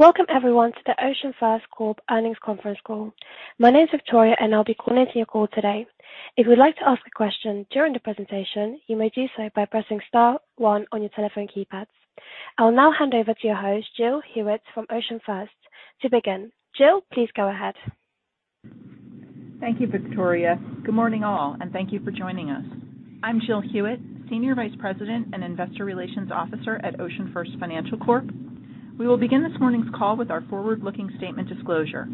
Welcome everyone to the OceanFirst Financial Corp. earnings conference call. My name is Victoria, and I'll be coordinating your call today. If you'd like to ask a question during the presentation, you may do so by pressing star one on your telephone keypads. I'll now hand over to your host, Jill Hewitt from OceanFirst. to begin. Jill, please go ahead. Thank you, Victoria. Good morning, all, and thank you for joining us. I'm Jill Hewitt, Senior Vice President and Investor Relations Officer at OceanFirst Financial Corp. We will begin this morning's call with our forward-looking statement disclosure.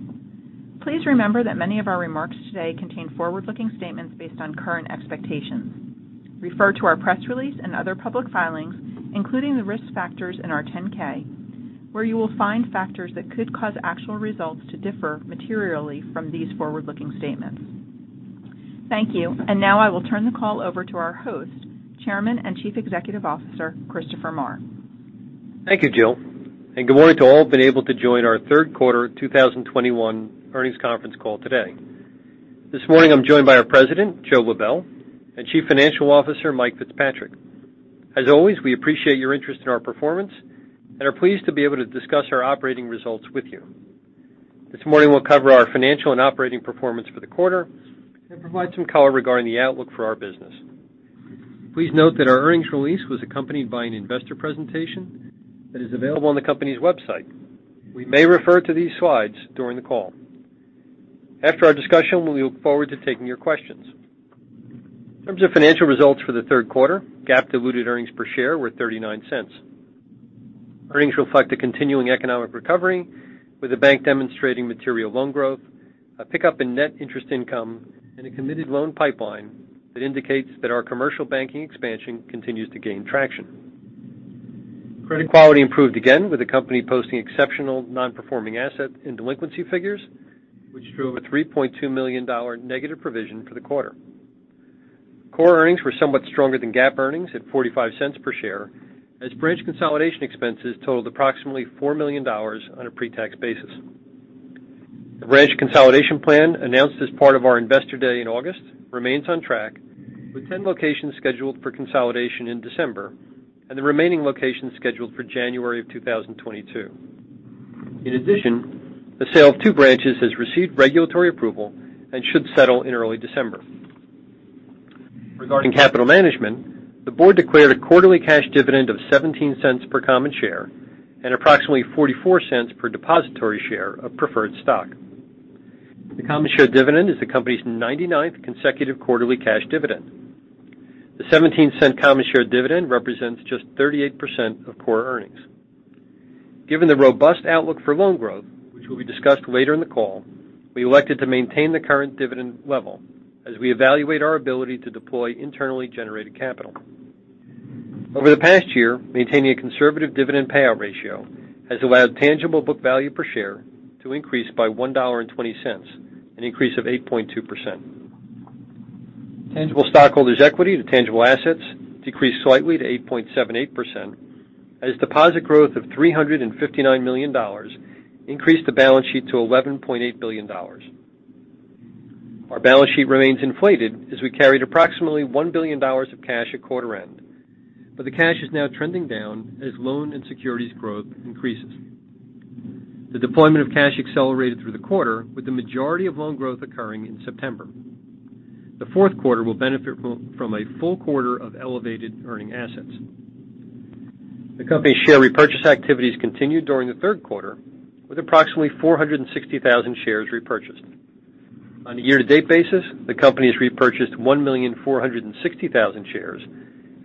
Please remember that many of our remarks today contain forward-looking statements based on current expectations. Refer to our press release and other public filings, including the risk factors in our 10-K, where you will find factors that could cause actual results to differ materially from these forward-looking statements. Thank you. Now I will turn the call over to our host, Chairman and Chief Executive Officer, Christopher Maher. Thank you, Jill, and good morning to all who have been able to join our third quarter 2021 earnings conference call today. This morning I'm joined by our President, Joe Lebe, and Chief Financial Officer, Mike Fitzpatrick. As always, we appreciate your interest in our performance and are pleased to be able to discuss our operating results with you. This morning we'll cover our financial and operating performance for the quarter and provide some color regarding the outlook for our business. Please note that our earnings release was accompanied by an investor presentation that is available on the company's website. We may refer to these slides during the call. After our discussion, we look forward to taking your questions. In terms of financial results for the third quarter, GAAP diluted earnings per share were $0.39. Earnings reflect a continuing economic recovery, with the bank demonstrating material loan growth, a pickup in net interest income, and a committed loan pipeline that indicates that our commercial banking expansion continues to gain traction. Credit quality improved again with the company posting exceptional non-performing asset and delinquency figures, which drove a $3.2 million negative provision for the quarter. Core earnings were somewhat stronger than GAAP earnings at $0.45 per share as branch consolidation expenses totaled approximately $4 million on a pre-tax basis. The branch consolidation plan announced as part of our Investor Day in August remains on track, with 10 locations scheduled for consolidation in December and the remaining locations scheduled for January 2022. In addition, the sale of two branches has received regulatory approval and should settle in early December. Regarding capital management, the board declared a quarterly cash dividend of $0.17 per common share and approximately $0.44 per depository share of preferred stock. The common share dividend is the company's 99th consecutive quarterly cash dividend. The $0.17 common share dividend represents just 38% of core earnings. Given the robust outlook for loan growth, which will be discussed later in the call, we elected to maintain the current dividend level as we evaluate our ability to deploy internally generated capital. Over the past year, maintaining a conservative dividend payout ratio has allowed tangible book value per share to increase by $1.20, an increase of 8.2%. Tangible stockholders' equity to tangible assets decreased slightly to 8.78% as deposit growth of $359 million increased the balance sheet to $11.8 billion. Our balance sheet remains inflated as we carried approximately $1 billion of cash at quarter end, but the cash is now trending down as loan and securities growth increases. The deployment of cash accelerated through the quarter, with the majority of loan growth occurring in September. The fourth quarter will benefit from a full quarter of elevated earning assets. The company's share repurchase activities continued during the third quarter with approximately 460,000 shares repurchased. On a year-to-date basis, the company has repurchased 1,460,000 shares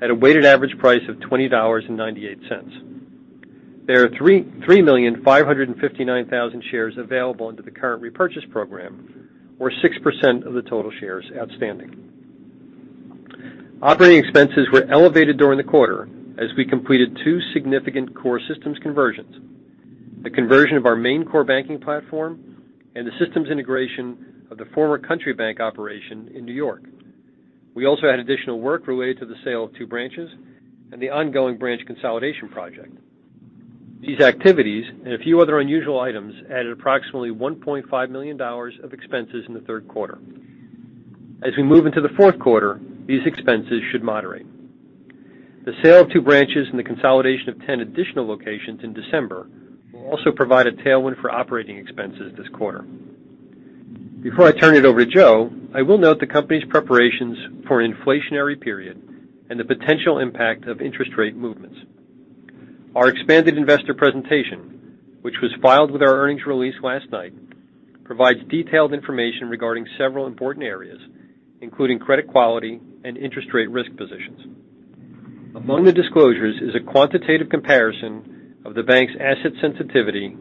at a weighted average price of $20.98. There are 3,559,000 shares available under the current repurchase program, or 6% of the total shares outstanding. Operating expenses were elevated during the quarter as we completed two significant core systems conversions, the conversion of our main core banking platform and the systems integration of the former Country Bank operation in New York. We also had additional work related to the sale of two branches and the ongoing branch consolidation project. These activities and a few other unusual items added approximately $1.5 million of expenses in the third quarter. As we move into the fourth quarter, these expenses should moderate. The sale of two branches and the consolidation of 10 additional locations in December will also provide a tailwind for operating expenses this quarter. Before I turn it over to Joe, I will note the company's preparations for an inflationary period and the potential impact of interest rate movements. Our expanded investor presentation, which was filed with our earnings release last night, provides detailed information regarding several important areas, including credit quality and interest rate risk positions. Among the disclosures is a quantitative comparison of the bank's asset sensitivity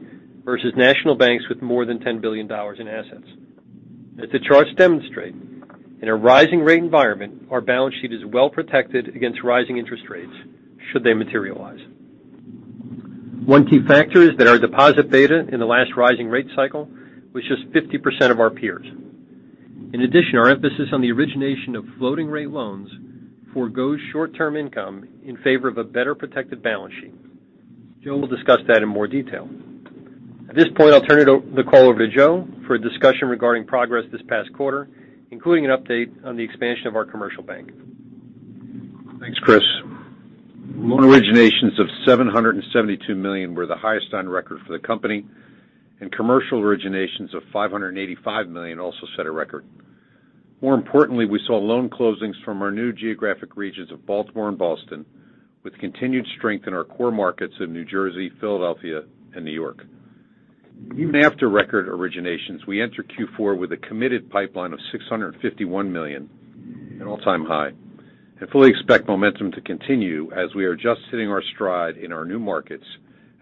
versus national banks with more than $10 billion in assets. As the charts demonstrate, in a rising rate environment, our balance sheet is well protected against rising interest rates should they materialize. One key factor is that our deposit beta in the last rising rate cycle was just 50% of our peers. In addition, our emphasis on the origination of floating rate loans forgoes short-term income in favor of a better protected balance sheet. Joe will discuss that in more detail. At this point, I'll turn the call over to Joe for a discussion regarding progress this past quarter, including an update on the expansion of our commercial bank. Thanks, Chris. Loan originations of $772 million were the highest on record for the company, and commercial originations of $585 million also set a record. More importantly, we saw loan closings from our new geographic regions of Baltimore and Boston, with continued strength in our core markets of New Jersey, Philadelphia, and New York. Even after record originations, we enter Q4 with a committed pipeline of $651 million, an all-time high, and fully expect momentum to continue as we are just hitting our stride in our new markets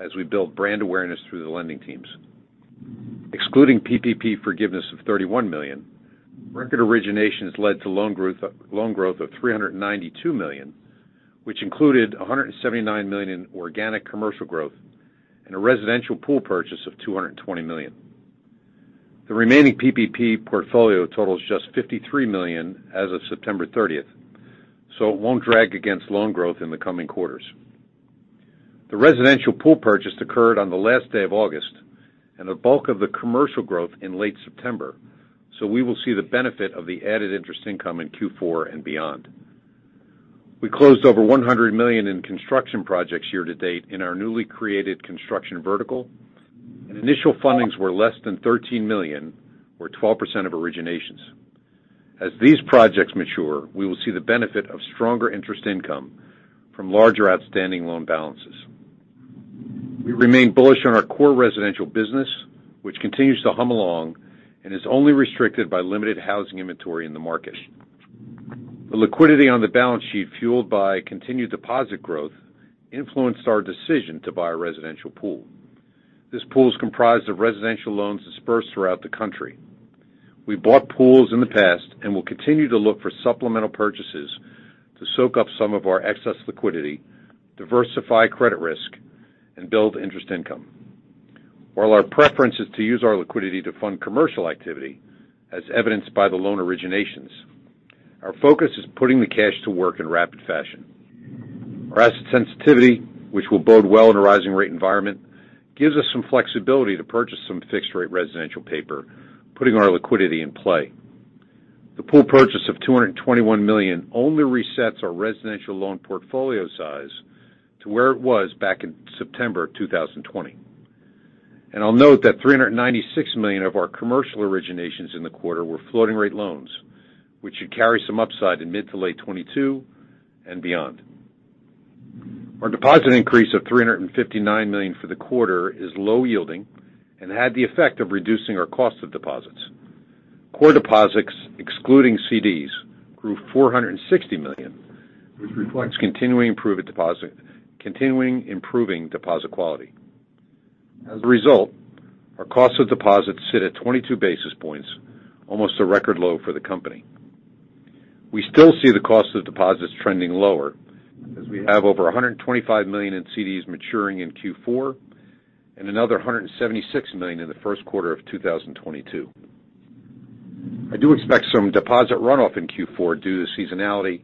as we build brand awareness through the lending teams. Excluding PPP forgiveness of $31 million, record originations led to loan growth of $392 million, which included $179 million in organic commercial growth and a residential pool purchase of $220 million. The remaining PPP portfolio totals just $53 million as of September thirtieth, so it won't drag against loan growth in the coming quarters. The residential pool purchase occurred on the last day of August, and the bulk of the commercial growth in late September, so we will see the benefit of the added interest income in Q4 and beyond. We closed over $100 million in construction projects year to date in our newly created construction vertical, and initial fundings were less than $13 million or 12% of originations. As these projects mature, we will see the benefit of stronger interest income from larger outstanding loan balances. We remain bullish on our core residential business, which continues to hum along and is only restricted by limited housing inventory in the market. The liquidity on the balance sheet, fueled by continued deposit growth, influenced our decision to buy a residential pool. This pool is comprised of residential loans dispersed throughout the country. We bought pools in the past and will continue to look for supplemental purchases to soak up some of our excess liquidity, diversify credit risk, and build interest income. While our preference is to use our liquidity to fund commercial activity, as evidenced by the loan originations, our focus is putting the cash to work in rapid fashion. Our asset sensitivity, which will bode well in a rising rate environment, gives us some flexibility to purchase some fixed-rate residential paper, putting our liquidity in play. The pool purchase of $221 million only resets our residential loan portfolio size to where it was back in September 2020. I'll note that $396 million of our commercial originations in the quarter were floating-rate loans, which should carry some upside in mid to late 2022 and beyond. Our deposit increase of $359 million for the quarter is low yielding and had the effect of reducing our cost of deposits. Core deposits, excluding CDs, grew $460 million, which reflects continuing improving deposit quality. As a result, our cost of deposits sit at 22 basis points, almost a record low for the company. We still see the cost of deposits trending lower as we have over $125 million in CDs maturing in Q4 and another $176 million in the first quarter of 2022. I do expect some deposit runoff in Q4 due to seasonality,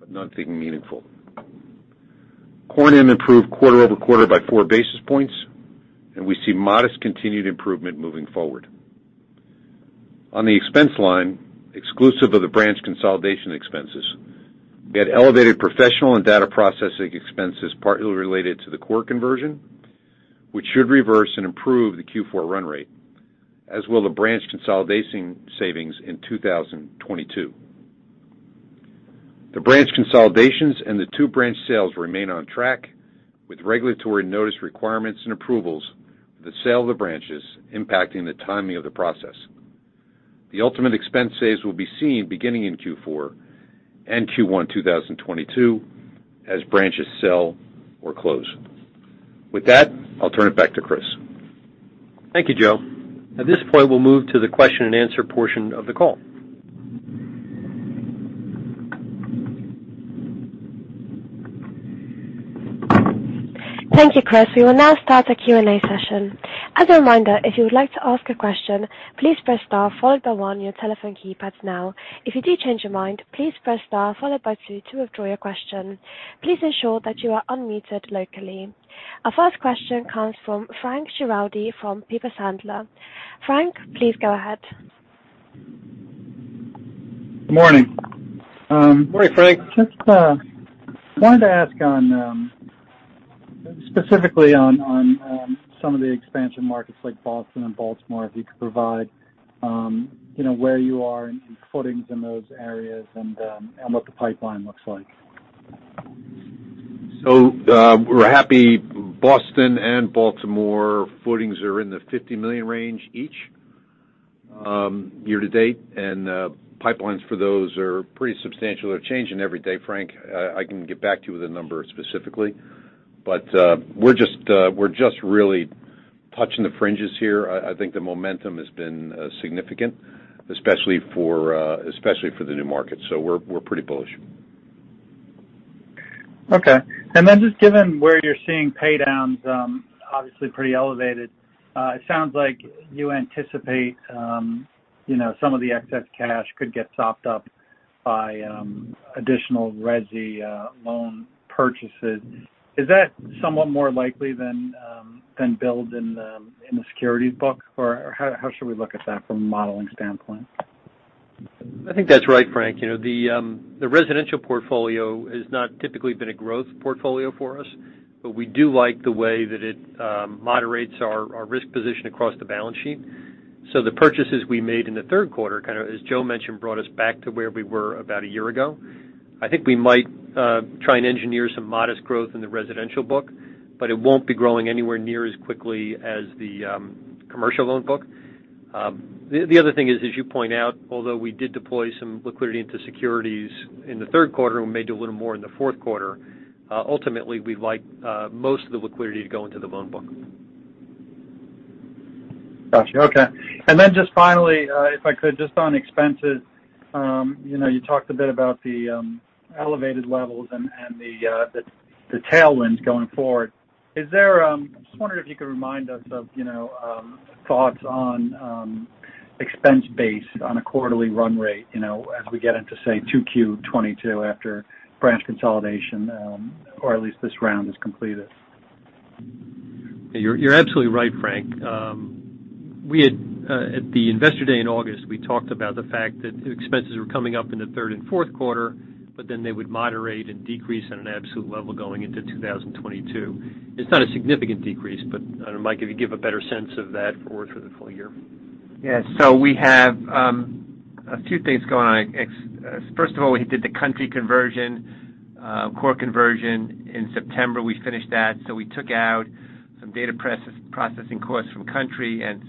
but nothing meaningful. Core NIM improved quarter-over-quarter by four basis points, and we see modest continued improvement moving forward. On the expense line, exclusive of the branch consolidation expenses, we had elevated professional and data processing expenses partly related to the core conversion, which should reverse and improve the Q4 run rate, as will the branch consolidation savings in 2022. The branch consolidations and the 2 branch sales remain on track, with regulatory notice requirements and approvals for the sale of the branches impacting the timing of the process. The ultimate expense saves will be seen beginning in Q4 and Q1 2022 as branches sell or close. With that, I'll turn it back to Chris. Thank you, Joe. At this point, we'll move to the question-and-answer portion of the call. Thank you, Chris. We will now start the Q&A session. As a reminder, if you would like to ask a question, please press star followed by one on your telephone keypads now. If you do change your mind, please press star followed by two to withdraw your question. Please ensure that you are unmuted locally. Our first question comes from Frank Schiraldi from Piper Sandler. Frank, please go ahead. Good morning. Good morning, Frank. Just wanted to ask specifically on some of the expansion markets like Boston and Baltimore, if you could provide, you know, where you are in footings in those areas and what the pipeline looks like? We're happy. Boston and Baltimore footings are in the $50 million range each, year-to-date. Pipelines for those are pretty substantial. They're changing every day, Frank. I can get back to you with a number specifically. We're just really touching the fringes here. I think the momentum has been significant, especially for the new market. We're pretty bullish. Okay. Just given where you're seeing paydowns, obviously pretty elevated, it sounds like you anticipate, you know, some of the excess cash could get sopped up by additional resi loan purchases. Is that somewhat more likely than build in the securities book? Or how should we look at that from a modeling standpoint? I think that's right, Frank. You know, the residential portfolio has not typically been a growth portfolio for us, but we do like the way that it moderates our risk position across the balance sheet. The purchases we made in the third quarter, kind of as Joe mentioned, brought us back to where we were about a year ago. I think we might try and engineer some modest growth in the residential book, but it won't be growing anywhere near as quickly as the commercial loan book. The other thing is, as you point out, although we did deploy some liquidity into securities in the third quarter, and we may do a little more in the fourth quarter, ultimately we'd like most of the liquidity to go into the loan book. Got you. Okay. Just finally, if I could, just on expenses, you know, you talked a bit about the elevated levels and the tailwinds going forward. Just wondering if you could remind us of, you know, thoughts on expense base on a quarterly run rate, you know, as we get into, say, 2Q 2022 after branch consolidation, or at least this round is completed. You're absolutely right, Frank. We had at the investor day in August, we talked about the fact that expenses were coming up in the third and fourth quarter, but then they would moderate and decrease at an absolute level going into 2022. It's not a significant decrease, but I don't know, Mike, if you give a better sense of that forward for the full year. Yeah. We have a few things going on. First of all, we did the Country conversion, core conversion in September. We finished that, so we took out some data processing costs from Country and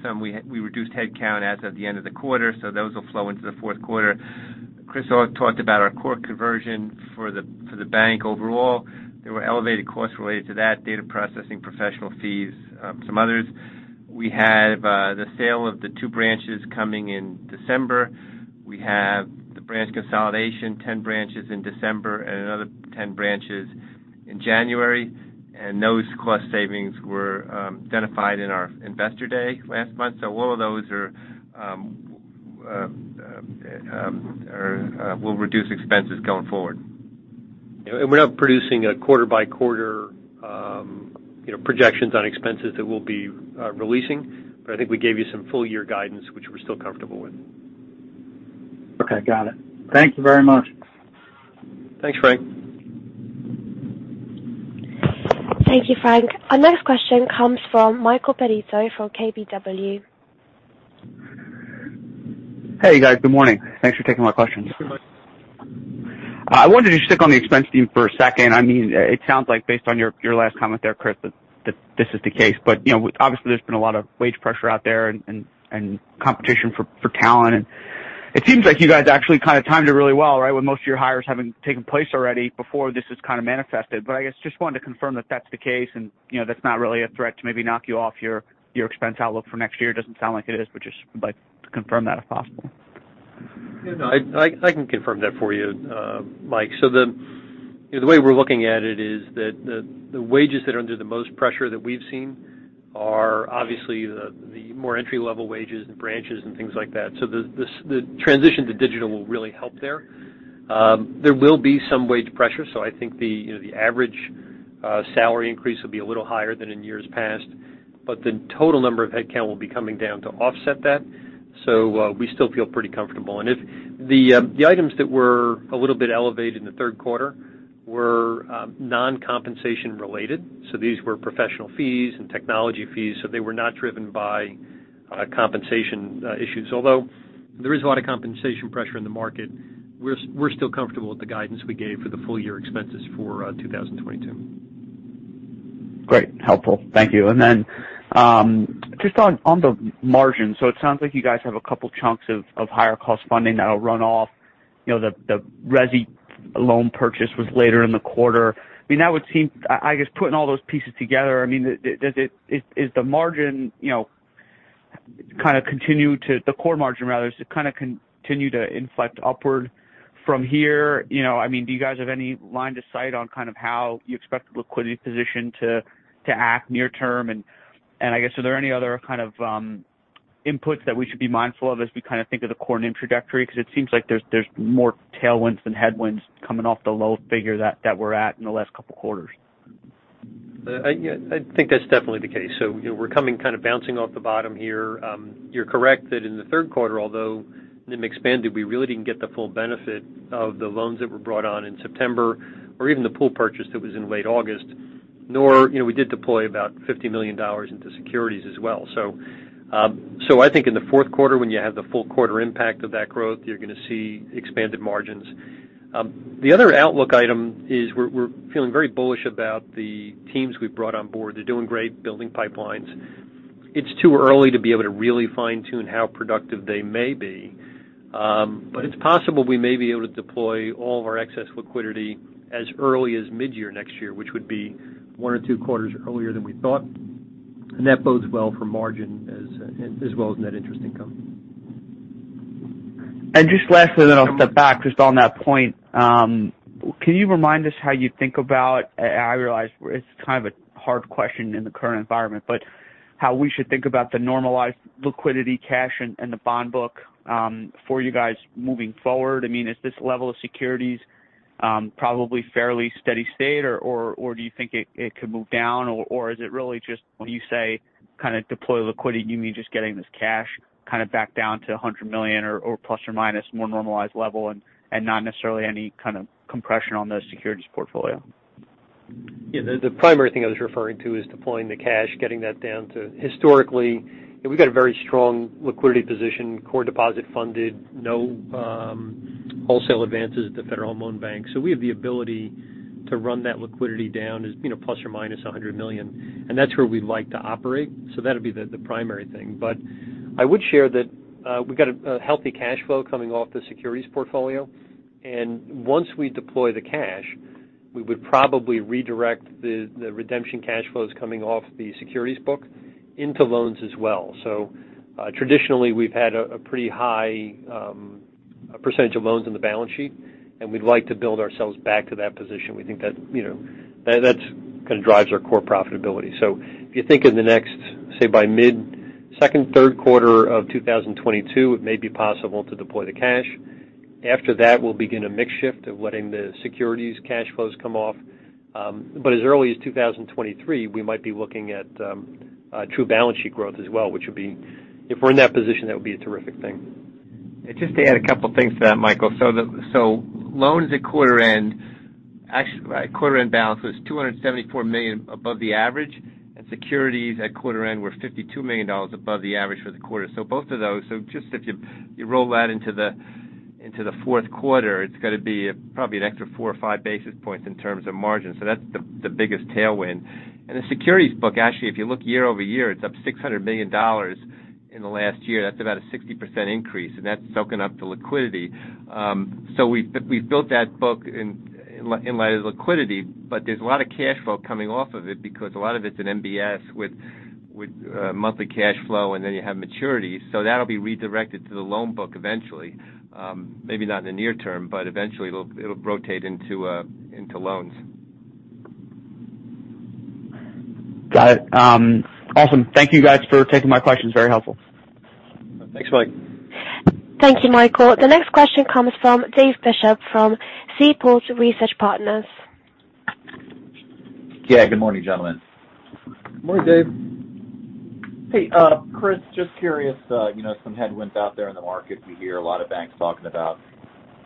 we reduced headcount as of the end of the quarter, so those will flow into the fourth quarter. Chris talked about our core conversion for the bank overall. There were elevated costs related to that, data processing, professional fees, some others. We have the sale of the two branches coming in December. We have the branch consolidation, 10 branches in December and another 10 branches in January. Those cost savings were identified in our investor day last month. All of those will reduce expenses going forward. We're not producing quarter-by-quarter, you know, projections on expenses that we'll be releasing, but I think we gave you some full-year guidance, which we're still comfortable with. Okay. Got it. Thank you very much. Thanks, Frank. Thank you, Frank. Our next question comes from Michael Perito from KBW. Hey, guys. Good morning. Thanks for taking my questions. Sure. I wonder if you stick on the expense theme for a second. I mean, it sounds like based on your last comment there, Chris, that this is the case. You know, obviously there's been a lot of wage pressure out there and competition for talent. It seems like you guys actually kind of timed it really well, right, with most of your hires having taken place already before this has kind of manifested. I guess just wanted to confirm that that's the case, and, you know, that's not really a threat to maybe knock you off your expense outlook for next year. It doesn't sound like it is, but just like to confirm that if possible. No, I can confirm that for you, Mike. The way we're looking at it is that the wages that are under the most pressure that we've seen are obviously the more entry-level wages and branches and things like that. The transition to digital will really help there. There will be some wage pressure. I think the average salary increase will be a little higher than in years past, but the total number of headcount will be coming down to offset that. We still feel pretty comfortable. If the items that were a little bit elevated in the third quarter were non-compensation related, so these were professional fees and technology fees, so they were not driven by compensation issues. Although there is a lot of compensation pressure in the market, we're still comfortable with the guidance we gave for the full year expenses for 2022. Great. Helpful. Thank you. Just on the margin. It sounds like you guys have a couple chunks of higher cost funding that'll run off. You know, the resi loan purchase was later in the quarter. I mean, that would seem, I guess, putting all those pieces together, I mean, is the core margin rather kind of continue to inflect upward from here? You know, I mean, do you guys have any line of sight on kind of how you expect the liquidity position to act near term? I guess, are there any other kind of inputs that we should be mindful of as we kind of think of the core NIM trajectory? Because it seems like there's more tailwinds than headwinds coming off the low figure that we're at in the last couple quarters. I think that's definitely the case. We're coming kind of bouncing off the bottom here. You're correct that in the third quarter, although NIM expanded, we really didn't get the full benefit of the loans that were brought on in September or even the pool purchase that was in late August, nor, you know, we did deploy about $50 million into securities as well. I think in the fourth quarter, when you have the full quarter impact of that growth, you're gonna see expanded margins. The other outlook item is we're feeling very bullish about the teams we've brought on board. They're doing great building pipelines. It's too early to be able to really fine-tune how productive they may be. It's possible we may be able to deploy all of our excess liquidity as early as mid-year next year, which would be 1 or 2 quarters earlier than we thought. That bodes well for margin as well as net interest income. Just lastly, then I'll step back, just on that point. Can you remind us how you think about, and I realize it's kind of a hard question in the current environment, but how we should think about the normalized liquidity cash in the bond book, for you guys moving forward? I mean, is this level of securities probably fairly steady state or do you think it could move down or is it really just when you say kind of deploy liquidity, you mean just getting this cash kind of back down to a $100 million or plus or minus more normalized level and not necessarily any kind of compression on the securities portfolio? Yeah. The primary thing I was referring to is deploying the cash, getting that down to historically. We've got a very strong liquidity position, core deposit funded, no wholesale advances at the Federal Home Loan Bank. We have the ability to run that liquidity down as, you know, plus or minus $100 million. That's where we'd like to operate, so that'll be the primary thing. I would share that we've got a healthy cash flow coming off the securities portfolio. Once we deploy the cash, we would probably redirect the redemption cash flows coming off the securities book into loans as well. Traditionally, we've had a pretty high percentage of loans on the balance sheet, and we'd like to build ourselves back to that position. We think that you know that's kind of drives our core profitability. If you think in the next, say by mid-second, third quarter of 2022, it may be possible to deploy the cash. After that, we'll begin a mix shift of letting the securities cash flows come off. As early as 2023, we might be looking at true balance sheet growth as well, which would be if we're in that position, that would be a terrific thing. Just to add a couple things to that, Michael. Loans at quarter end, actually, quarter end balance was $274 million above the average, and securities at quarter end were $52 million above the average for the quarter. Both of those, just if you roll that into the fourth quarter, it's gonna be probably an extra 4 or 5 basis points in terms of margin. That's the biggest tailwind. The securities book, actually, if you look year-over-year, it's up $600 million in the last year. That's about a 60% increase, and that's soaking up the liquidity. We've built that book in light of liquidity, but there's a lot of cash flow coming off of it because a lot of it's in MBS with monthly cash flow, and then you have maturity. That'll be redirected to the loan book eventually. Maybe not in the near term, but eventually it'll rotate into loans. Got it. Awesome. Thank you guys for taking my questions. Very helpful. Thanks, Mike. Thank you, Michael. The next question comes from Dave Bishop from Seaport Research Partners. Yeah. Good morning, gentlemen. Morning, Dave. Hey, Chris, just curious, you know, some headwinds out there in the market. We hear a lot of banks talking about,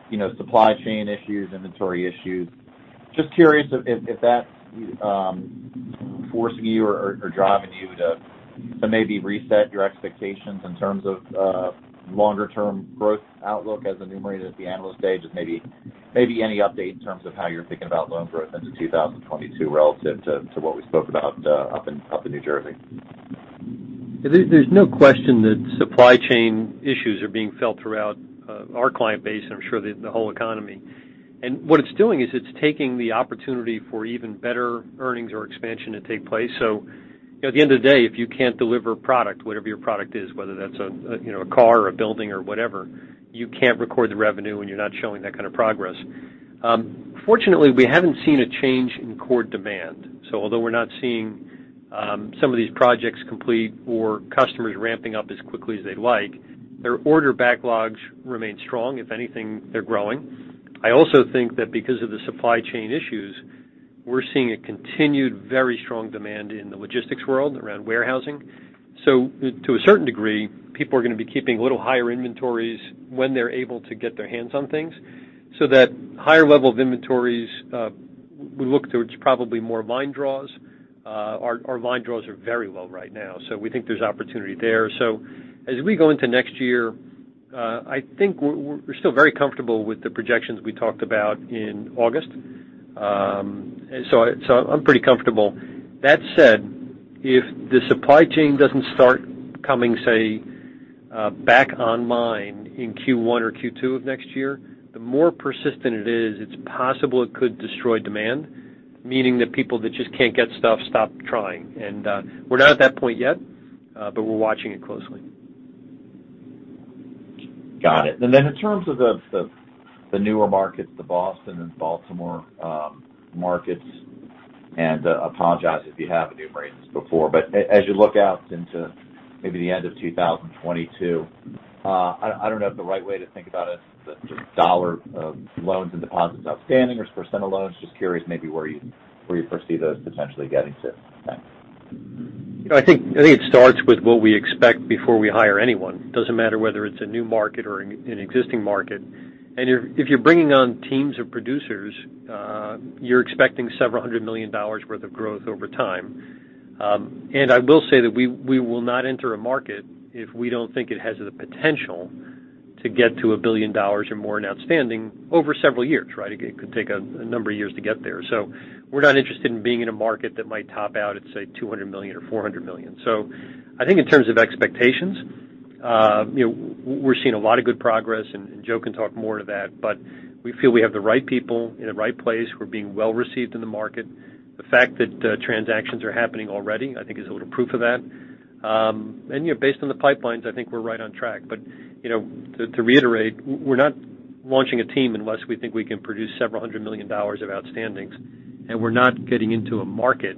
you know, supply chain issues, inventory issues. Just curious if that's forcing you or driving you to maybe reset your expectations in terms of longer term growth outlook as enumerated at the analyst day. Just maybe any update in terms of how you're thinking about loan growth into 2022 relative to what we spoke about up in New Jersey. There's no question that supply chain issues are being felt throughout our client base, and I'm sure the whole economy. What it's doing is taking the opportunity for even better earnings or expansion to take place. You know, at the end of the day, if you can't deliver product, whatever your product is, whether that's a you know a car or a building or whatever, you can't record the revenue when you're not showing that kind of progress. Fortunately, we haven't seen a change in core demand. Although we're not seeing some of these projects complete or customers ramping up as quickly as they'd like, their order backlogs remain strong. If anything, they're growing. I also think that because of the supply chain issues, we're seeing a continued very strong demand in the logistics world around warehousing. To a certain degree, people are gonna be keeping a little higher inventories when they're able to get their hands on things. That higher level of inventories, we look towards probably more line draws. Our line draws are very low right now, so we think there's opportunity there. As we go into next year, I think we're still very comfortable with the projections we talked about in August. I'm pretty comfortable. That said, if the supply chain doesn't start coming, say, back online in Q1 or Q2 of next year, the more persistent it is, it's possible it could destroy demand, meaning that people that just can't get stuff stop trying. We're not at that point yet, but we're watching it closely. Got it. In terms of the newer markets, the Boston and Baltimore markets, apologize if you have enumerated this before, but as you look out into maybe the end of 2022, I don't know if the right way to think about it, the dollar of loans and deposits outstanding or percent of loans. Just curious maybe where you foresee those potentially getting to. Thanks. I think it starts with what we expect before we hire anyone. Doesn't matter whether it's a new market or an existing market. If you're bringing on teams of producers, you're expecting several hundred million dollars worth of growth over time. I will say that we will not enter a market if we don't think it has the potential to get to $1 billion or more in outstanding over several years, right? It could take a number of years to get there. We're not interested in being in a market that might top out at, say, $200 million or $400 million. I think in terms of expectations, you know, we're seeing a lot of good progress, and Joe can talk more to that. We feel we have the right people in the right place. We're being well received in the market. The fact that transactions are happening already, I think is a little proof of that. You know, based on the pipelines, I think we're right on track. You know, to reiterate, we're not launching a team unless we think we can produce $ several hundred million of outstandings, and we're not getting into a market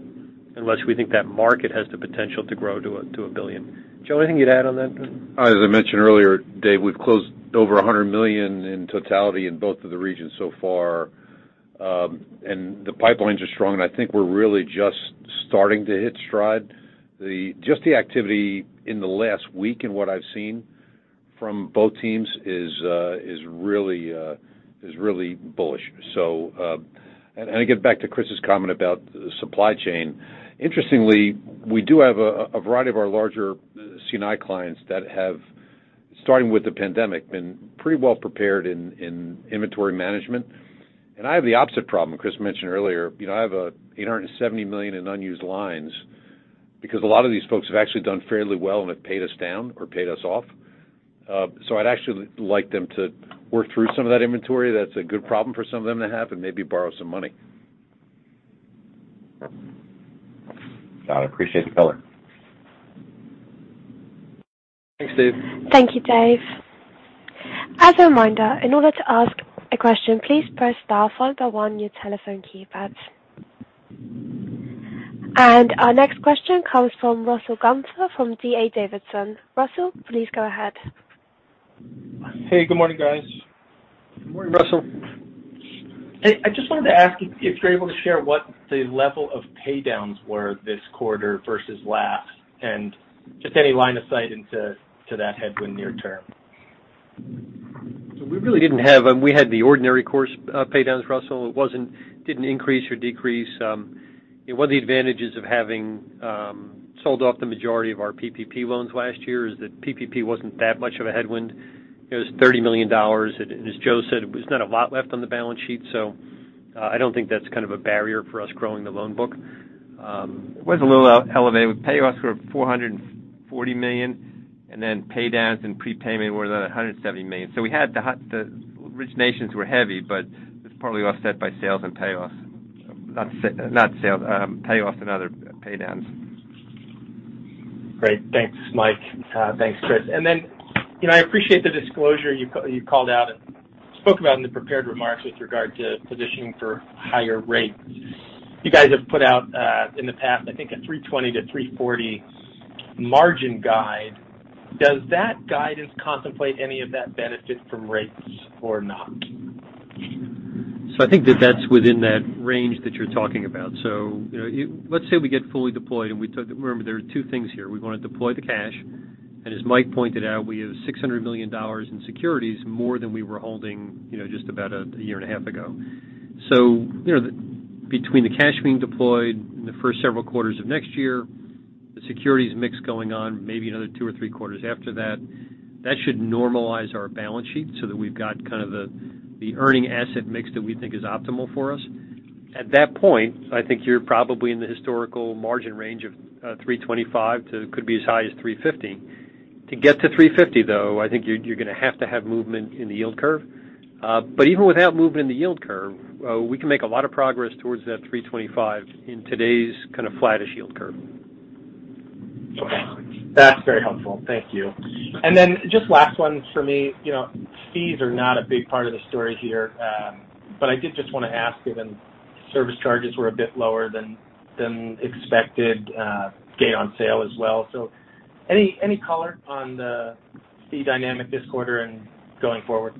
unless we think that market has the potential to grow to a $1 billion. Joe, anything you'd add on that? As I mentioned earlier, Dave, we've closed over $100 million in totality in both of the regions so far. The pipelines are strong, and I think we're really just starting to hit stride. Just the activity in the last week and what I've seen from both teams is really bullish. So I get back to Chris's comment about the supply chain. Interestingly, we do have a variety of our larger C&I clients that have, starting with the pandemic, been pretty well prepared in inventory management. I have the opposite problem Chris mentioned earlier. You know, I have $870 million in unused lines because a lot of these folks have actually done fairly well and have paid us down or paid us off. I'd actually like them to work through some of that inventory. That's a good problem for some of them to have and maybe borrow some money. Got it. Appreciate the color. Thanks, Dave. Thank you, Dave. As a reminder, in order to ask a question, please press star followed by one on your telephone keypad. Our next question comes from Russell Gunther from D.A. Davidson. Russell, please go ahead. Hey, good morning, guys. Good morning, Russell. I just wanted to ask if you're able to share what the level of paydowns were this quarter versus last, and just any line of sight into that headwind near term? We really didn't have. We had the ordinary course paydowns, Russell. It didn't increase or decrease. One of the advantages of having sold off the majority of our PPP loans last year is that PPP wasn't that much of a headwind. It was $30 million. As Joe said, there's not a lot left on the balance sheet, so I don't think that's kind of a barrier for us growing the loan book. It was a little elevated. Payoffs were $440 million, and then paydowns and prepayment were another $170 million. The originations were heavy, but it's probably offset by sales and payoffs. Not sales, payoffs and other paydowns. Great. Thanks, Mike. Thanks, Chris. You know, I appreciate the disclosure you called out and spoke about in the prepared remarks with regard to positioning for higher rates. You guys have put out, in the past, I think a 3.20%-3.40% margin guide. Does that guidance contemplate any of that benefit from rates or not? I think that that's within that range that you're talking about. You know, let's say we get fully deployed. Remember, there are two things here. We wanna deploy the cash. And as Mike pointed out, we have $600 million in securities, more than we were holding, you know, just about a year and a half ago. You know, between the cash being deployed in the first several quarters of next year, the securities mix going on maybe another two or three quarters after that should normalize our balance sheet so that we've got kind of the earning asset mix that we think is optimal for us. At that point, I think you're probably in the historical margin range of 3.25% to could be as high as 3.50%. To get to 3.50%, though, I think you're gonna have to have movement in the yield curve. Even without movement in the yield curve, we can make a lot of progress towards that 3.25% in today's kind of flattish yield curve. Okay. That's very helpful. Thank you. Just last one for me. You know, fees are not a big part of the story here, but I did just wanna ask, given service charges were a bit lower than expected, gain on sale as well. Any color on the fee dynamic this quarter and going forward?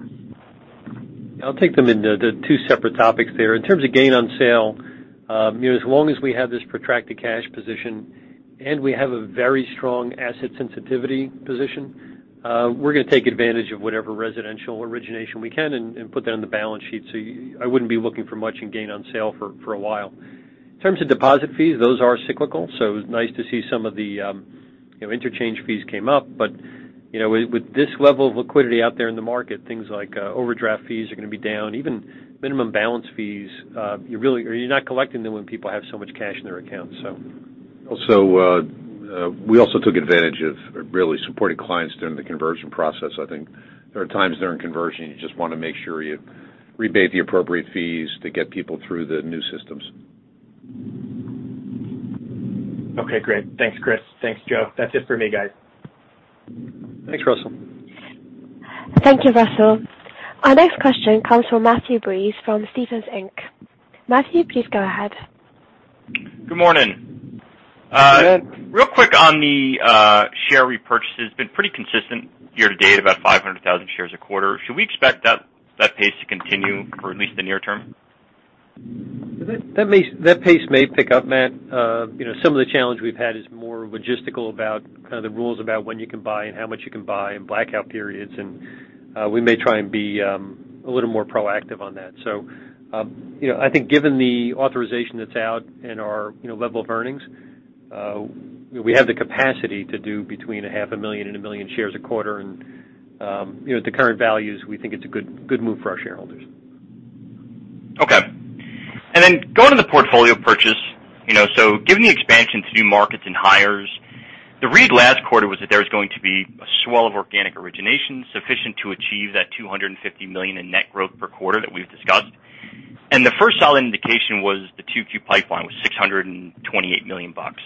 I'll take them in the two separate topics there. In terms of gain on sale, you know, as long as we have this protracted cash position and we have a very strong asset sensitivity position, we're gonna take advantage of whatever residential origination we can and put that on the balance sheet. I wouldn't be looking for much in gain on sale for a while. In terms of deposit fees, those are cyclical, so it was nice to see some of the, you know, interchange fees came up. You know, with this level of liquidity out there in the market, things like, overdraft fees are gonna be down. Even minimum balance fees, or you're not collecting them when people have so much cash in their accounts, so. Also, we also took advantage of really supporting clients during the conversion process. I think there are times during conversion you just wanna make sure you rebate the appropriate fees to get people through the new systems. Okay, great. Thanks, Chris. Thanks, Joe. That's it for me, guys. Thanks, Russell. Thank you, Russell. Our next question comes from Matthew Breese from Stephens Inc. Matthew, please go ahead. Good morning. Good morning. Real quick on the share repurchase. It's been pretty consistent year to date, about 500,000 shares a quarter. Should we expect that pace to continue for at least the near term? That pace may pick up, Matt. You know, some of the challenge we've had is more logistical about kind of the rules about when you can buy and how much you can buy and blackout periods, and we may try and be a little more proactive on that. You know, I think given the authorization that's out and our you know level of earnings, we have the capacity to do between 500,000 and 1 million shares a quarter. You know, at the current values, we think it's a good move for our shareholders. Okay. Then going to the portfolio purchase, you know, so given the expansion to new markets and hires, the read last quarter was that there was going to be a swell of organic origination sufficient to achieve that $250 million in net growth per quarter that we've discussed. The first solid indication was the 2Q pipeline was $628 million bucks.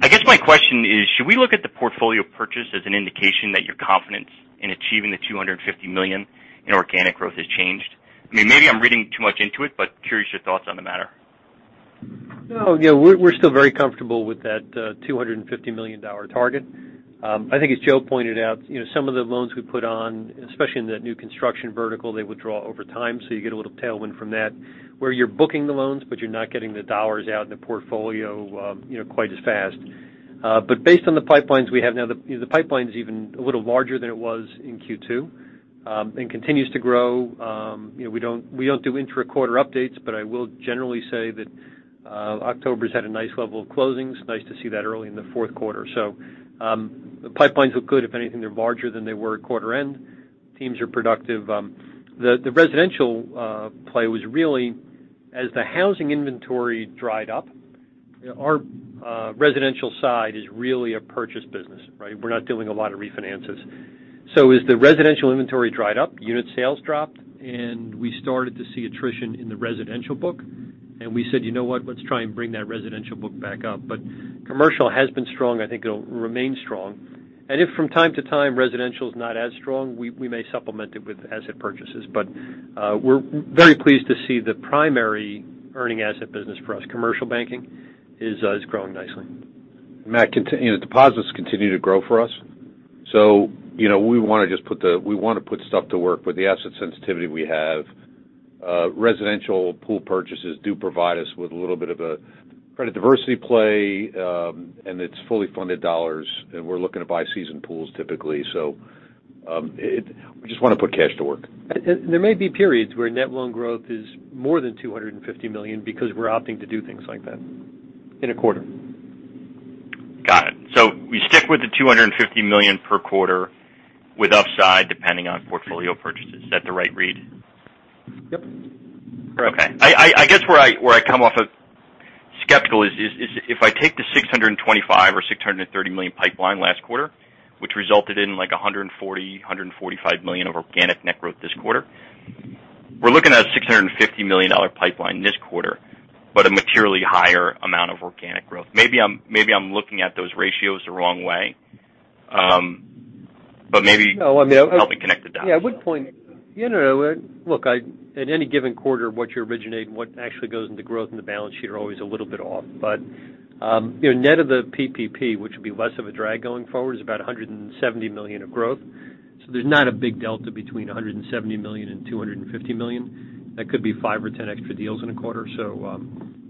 I guess my question is, should we look at the portfolio purchase as an indication that your confidence in achieving the $250 million in organic growth has changed? I mean, maybe I'm reading too much into it, but curious your thoughts on the matter. No. Yeah. We're still very comfortable with that $250 million target. I think as Joe pointed out, you know, some of the loans we put on, especially in the new construction vertical, they withdraw over time, so you get a little tailwind from that, where you're booking the loans, but you're not getting the dollars out in the portfolio, you know, quite as fast. Based on the pipelines we have now, you know, the pipeline is even a little larger than it was in Q2 and continues to grow. You know, we don't do intra-quarter updates, but I will generally say that October's had a nice level of closings. Nice to see that early in the fourth quarter. The pipelines look good. If anything, they're larger than they were at quarter end. Teams are productive. The residential play was really as the housing inventory dried up, our residential side is really a purchase business, right? We're not doing a lot of refinances. As the residential inventory dried up, unit sales dropped, and we started to see attrition in the residential book, and we said, "You know what? Let's try and bring that residential book back up." Commercial has been strong. I think it'll remain strong. If from time to time, residential is not as strong, we may supplement it with asset purchases. We're very pleased to see the primary earning asset business for us, commercial banking, is growing nicely. Matt, you know, deposits continue to grow for us, so you know, we wanna just put stuff to work. With the asset sensitivity we have, residential pool purchases do provide us with a little bit of a credit diversity play, and it's fully funded dollars, and we're looking to buy seasoned pools typically. We just wanna put cash to work. There may be periods where net loan growth is more than $250 million because we're opting to do things like that in a quarter. Got it. We stick with the $250 million per quarter with upside depending on portfolio purchases. Is that the right read? Yep. Okay. I guess where I come off as skeptical is if I take the $625 milliom or $630 million pipeline last quarter, which resulted in, like, $145 million of organic net growth this quarter, we're looking at a $650 million pipeline this quarter, but a materially higher amount of organic growth. Maybe I'm looking at those ratios the wrong way. But maybe. No, I mean. Help me connect the dots. You know, look, at any given quarter, what you originate and what actually goes into growth in the balance sheet are always a little bit off. But you know, net of the PPP, which would be less of a drag going forward, is about $170 million of growth. So there's not a big delta between $170 million and $250 million. That could be five or 10 extra deals in a quarter. So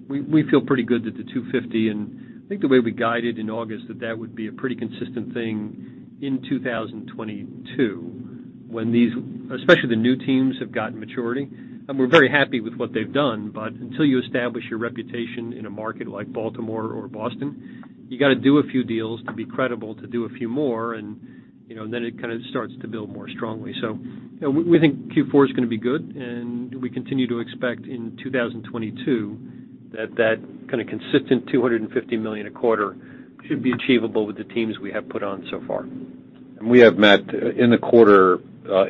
we feel pretty good that the $250, and I think the way we guided in August, that would be a pretty consistent thing in 2022 when these, especially the new teams, have gotten maturity. We're very happy with what they've done, but until you establish your reputation in a market like Baltimore or Boston, you gotta do a few deals to be credible to do a few more and, you know, then it kind of starts to build more strongly. You know, we think Q4 is gonna be good, and we continue to expect in 2022 that that kind of consistent $250 million a quarter should be achievable with the teams we have put on so far. We have, Matt, in the quarter,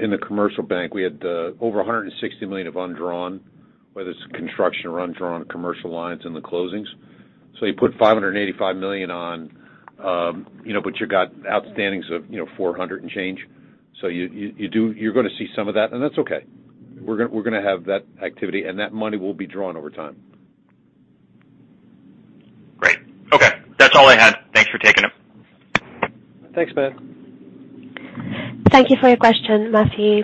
in the commercial bank, we had over $160 million of undrawn, whether it's construction or undrawn commercial lines in the closings. So you put $585 million on, you know, but you got outstandings of, you know, $400 million and change. So you do. You're gonna see some of that, and that's okay. We're gonna have that activity, and that money will be drawn over time. Great. Okay. That's all I had. Thanks for taking them. Thanks, Matt. Thank you for your question, Matthew.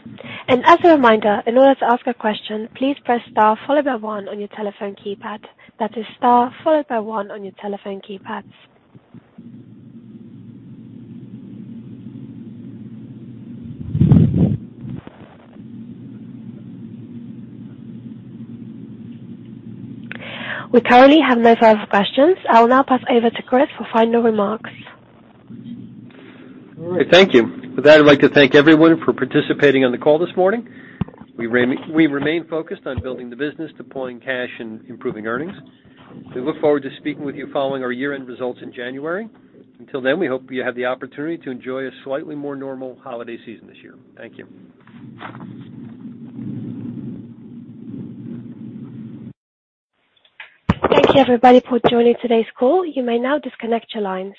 As a reminder, in order to ask a question, please press star followed by one on your telephone keypad. That is star followed by one on your telephone keypads. We currently have no further questions. I'll now pass over to Chris for final remarks. All right. Thank you. With that, I'd like to thank everyone for participating on the call this morning. We remain focused on building the business, deploying cash, and improving earnings. We look forward to speaking with you following our year-end results in January. Until then, we hope you have the opportunity to enjoy a slightly more normal holiday season this year. Thank you. Thank you, everybody, for joining today's call. You may now disconnect your lines.